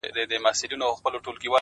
• ستاسي ذات باندي جامې مو چي گنډلي,